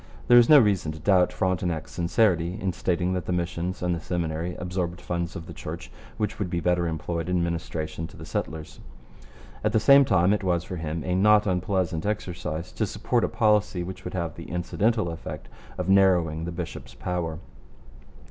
There is no reason to doubt Frontenac's sincerity in stating that the missions and the Seminary absorbed funds of the Church which would be better employed in ministration to the settlers. At the same time, it was for him a not unpleasant exercise to support a policy which would have the incidental effect of narrowing the bishop's power.